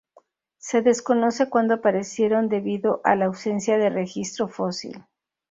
Se desconoce cuándo aparecieron debido a la ausencia de registro fósil.